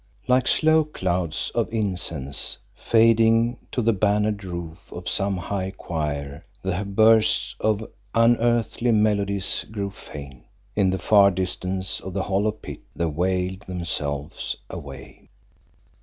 Like slow clouds of incense fading to the bannered roof of some high choir, the bursts of unearthly melodies grew faint; in the far distance of the hollow pit they wailed themselves away.